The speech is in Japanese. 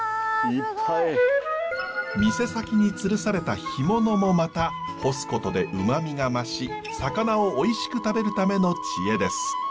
店先につるされた干物もまた干すことで旨味が増し魚をおいしく食べるための知恵です。